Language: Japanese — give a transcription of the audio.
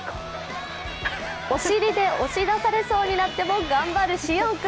お尻で押し出されそうになっても頑張る師園君。